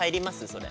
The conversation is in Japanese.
それ。